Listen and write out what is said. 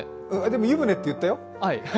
でも、湯船って言ったよ！